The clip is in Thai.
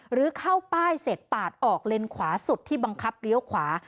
หรือเข้าป้ายเสร็จปาดออกเลนขวาสุดที่บังคับเลี้ยวขวา